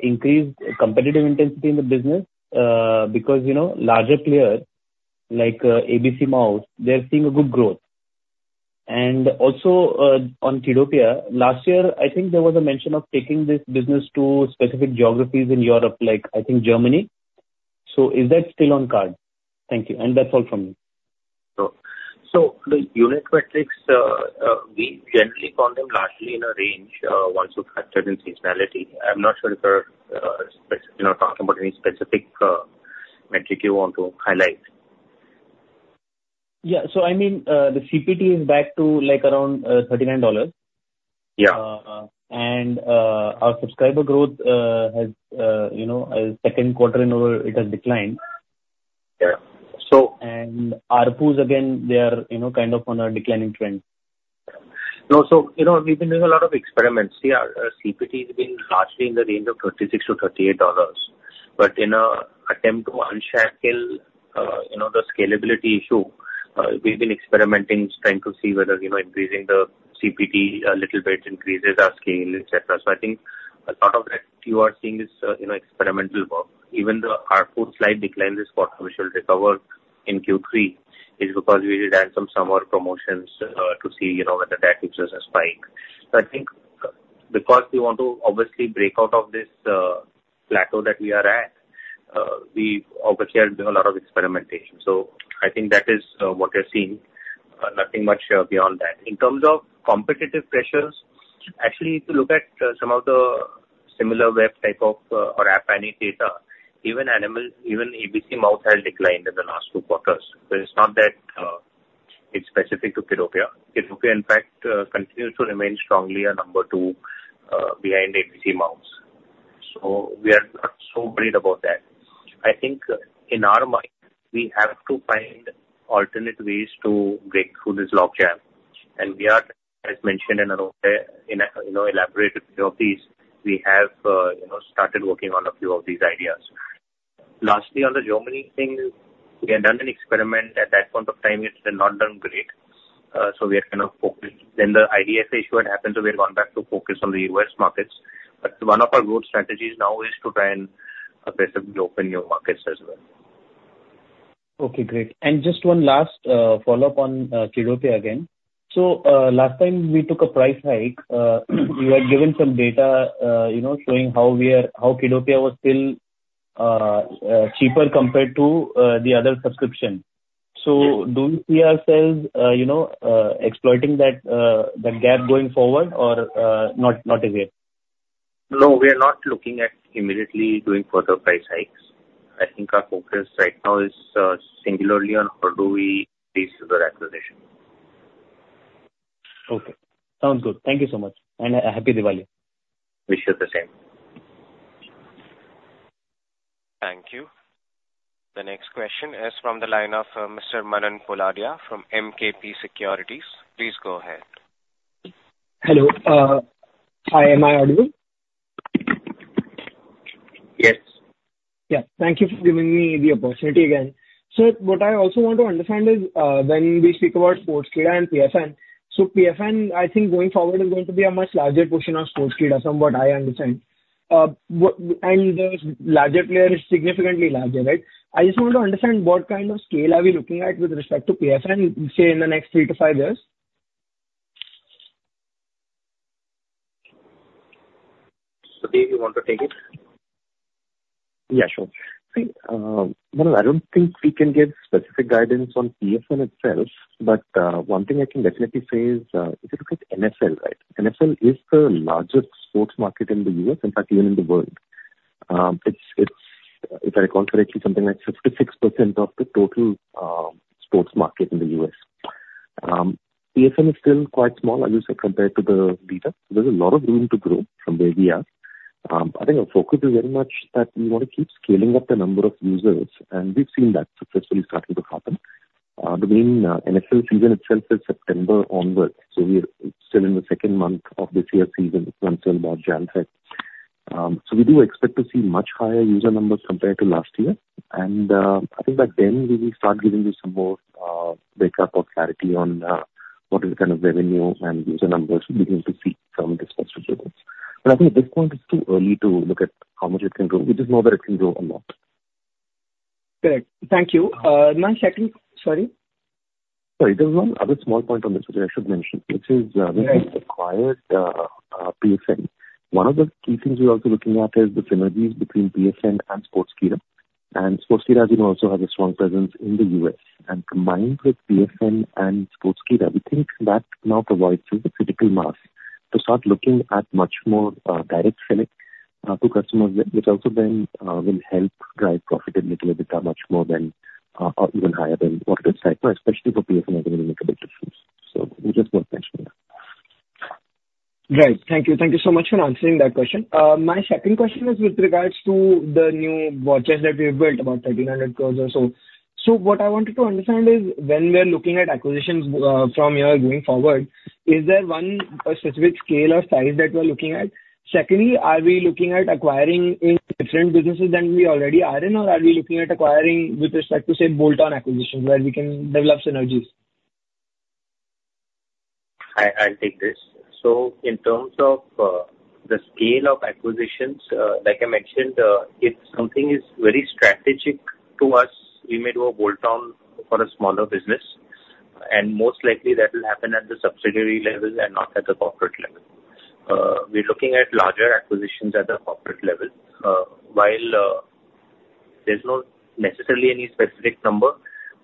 increased competitive intensity in the business? Because, you know, larger players, like, ABCmouse, they're seeing a good growth. And also, on Kiddopia, last year, I think there was a mention of taking this business to specific geographies in Europe, like, I think Germany. So is that still on card? Thank you, and that's all from me. So the unit metrics, we generally call them largely in a range, once you factor in seasonality. I'm not sure if there are, you know, talking about any specific metric you want to highlight. Yeah. So I mean, the CPT is back to, like, around $39. Yeah. Our subscriber growth has, you know, second quarter in a row, it has declined. Yeah. ARPUs, again, they are, you know, kind of on a declining trend. No, so you know, we've been doing a lot of experiments. Yeah, CPT has been largely in the range of $36-$38, but in an attempt to unshackle, you know, the scalability issue. We've been experimenting, trying to see whether, you know, increasing the CPT a little bit increases our scale, et cetera. So I think a lot of that you are seeing is, you know, experimental work. Even the ARPU slight decline this quarter, which will recover in Q3, is because we did add some summer promotions, to see, you know, whether that gives us a spike. So I think because we want to obviously break out of this plateau that we are at, we obviously are doing a lot of experimentation. So I think that is what you're seeing. Nothing much beyond that. In terms of competitive pressures, actually, if you look at some of the Similarweb type of or App Annie data, even ABCmouse has declined in the last two quarters. So it's not that it's specific to Kiddopia. Kiddopia, in fact, continues to remain strongly a number two behind ABCmouse. So we are not so worried about that. I think in our mind, we have to find alternate ways to break through this logjam, and we are, as mentioned in our, in a, you know, elaborated copies, we have, you know, started working on a few of these ideas. Lastly, on the Germany thing, we had done an experiment at that point of time, it had not done great. So we are kind of focused. Then the IDFA issue had happened, so we've gone back to focus on the U.S. markets. But one of our growth strategies now is to try and aggressively open new markets as well. Okay, great. And just one last follow-up on Kiddopia again. So, last time we took a price hike, you had given some data, you know, showing how we are, how Kiddopia was still cheaper compared to the other subscription. Do you see ourselves, you know, exploiting that that gap going forward or not, not yet? No, we are not looking at immediately doing further price hikes. I think our focus right now is singularly on how do we raise further acquisition. Okay. Sounds good. Thank you so much. Happy Diwali. Wish you the same. Thank you. The next question is from the line of Mr. Manan Poladia from MKP Securities. Please go ahead. Hello. Hi, am I audible? Yes. Yeah. Thank you for giving me the opportunity again. So what I also want to understand is, when we speak about Sportskeeda and PFN, so PFN, I think, going forward, is going to be a much larger portion of Sportskeeda, from what I understand. And the larger player is significantly larger, right? I just want to understand, what kind of scale are we looking at with respect to PFN, say, in the next three to five years? Sudhir, you want to take it? Yeah, sure. See, Manan, I don't think we can give specific guidance on PFN itself, but, one thing I can definitely say is, if you look at NFL, right, NFL is the largest sports market in the U.S., in fact, even in the world. It's if I recall correctly, something like 56% of the total, sports market in the U.S. PFN is still quite small, as you said, compared to the leader. There's a lot of room to grow from where we are. I think our focus is very much that we want to keep scaling up the number of users, and we've seen that successfully starting to happen. The main, NFL season itself is September onwards, so we are still in the second month of this year's season, it runs until about January. We do expect to see much higher user numbers compared to last year. I think back then, we will start giving you some more, breakup or clarity on, what is the kind of revenue and user numbers we're beginning to see from these sports leagues. I think at this point, it's too early to look at how much it can grow. We just know that it can grow a lot. Great. Thank you. My second... Sorry? Sorry, there's one other small point on this which I should mention, which is, Right. When we acquired PFN, one of the key things we're also looking at is the synergies between PFN and Sportskeeda. And Sportskeeda, as you know, also has a strong presence in the US. And combined with PFN and Sportskeeda, we think that now provides us a critical mass to start looking at much more direct sell to customers, which also then will help drive profit and profitability much more than or even higher than what it is, right? Especially for PFN, I think it makes a big difference. So we just want to mention that. Great. Thank you. Thank you so much for answering that question. My second question is with regards to the new war chest that we've built, about 1,300 crore or so. So what I wanted to understand is, when we are looking at acquisitions, from here going forward, is there one, specific scale or size that we're looking at? Secondly, are we looking at acquiring in different businesses than we already are in, or are we looking at acquiring with respect to, say, bolt-on acquisition, where we can develop synergies? I'll take this. So in terms of the scale of acquisitions, like I mentioned, if something is very strategic to us, we may do a bolt-on for a smaller business, and most likely that will happen at the subsidiary level and not at the corporate level. We're looking at larger acquisitions at the corporate level. While there's no necessarily any specific number,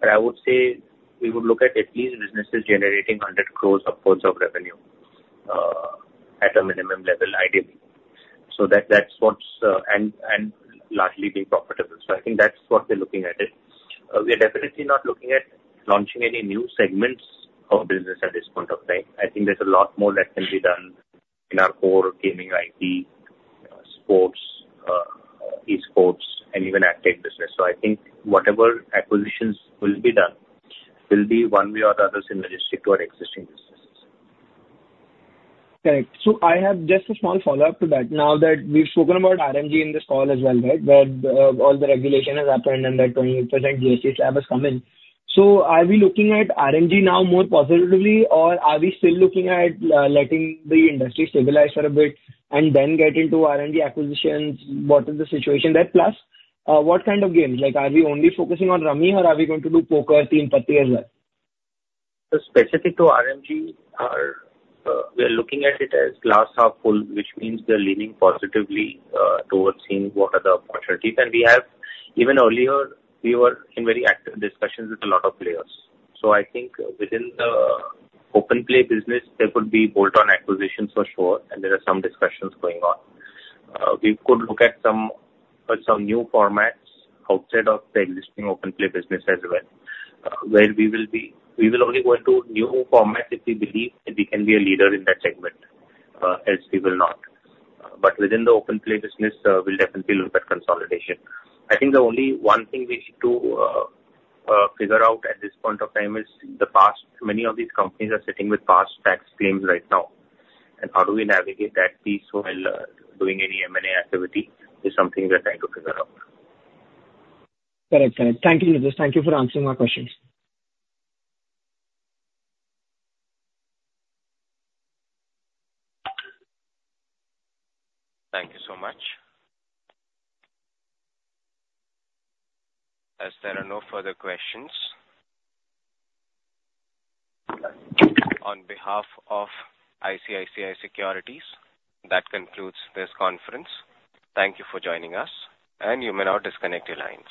but I would say we would look at at least businesses generating 100 crore of revenue at a minimum level, ideally. So that, that's what's... And largely being profitable. So I think that's what we're looking at it. We are definitely not looking at launching any new segments of business at this point of time. I think there's a lot more that can be done in our core gaming, IT, sports, e-sports, and even ad tech business. So I think whatever acquisitions will be done will be one way or the other, synergistic to our existing businesses. Correct. So I have just a small follow-up to that. Now that we've spoken about RNG in this call as well, right? Where, all the regulation has happened and that 28% GST slab has come in. So are we looking at RNG now more positively, or are we still looking at, letting the industry stabilize for a bit and then get into RNG acquisitions? What is the situation there? Plus, what kind of games? Like, are we only focusing on Rummy or are we going to do Poker, Teen Patti as well? So specific to RNG, we are looking at it as glass half full, which means we're leaning positively towards seeing what are the opportunities. Even earlier, we were in very active discussions with a lot of players. So I think within the OpenPlay business, there could be bolt-on acquisitions for sure, and there are some discussions going on. We could look at some, some new formats outside of the existing OpenPlay business as well, where we will be—we will only go into new formats if we believe that we can be a leader in that segment, else we will not. But within the OpenPlay business, we'll definitely look at consolidation. I think the only one thing we need to figure out at this point of time is the past. Many of these companies are sitting with past tax claims right now, and how do we navigate that piece while doing any M&A activity is something we're trying to figure out. Correct. Correct. Thank you. Just thank you for answering my questions. Thank you so much. As there are no further questions, on behalf of ICICI Securities, that concludes this conference. Thank you for joining us, and you may now disconnect your lines.